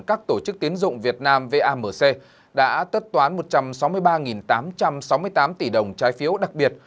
các tổ chức tiến dụng việt nam vamc đã tất toán một trăm sáu mươi ba tám trăm sáu mươi tám tỷ đồng trái phiếu đặc biệt